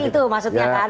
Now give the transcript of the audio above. tapi itu maksudnya kan